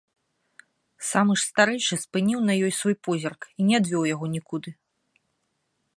Самы ж старэйшы спыніў на ёй свой позірк і не адвёў яго нікуды.